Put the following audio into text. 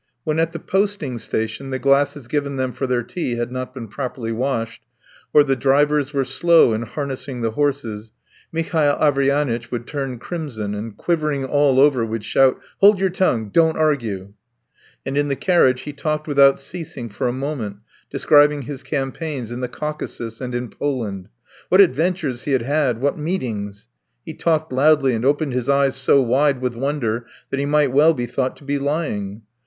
When at the posting station the glasses given them for their tea had not been properly washed, or the drivers were slow in harnessing the horses, Mihail Averyanitch would turn crimson, and quivering all over would shout: "Hold your tongue! Don't argue!" And in the carriage he talked without ceasing for a moment, describing his campaigns in the Caucasus and in Poland. What adventures he had had, what meetings! He talked loudly and opened his eyes so wide with wonder that he might well be thought to be lying.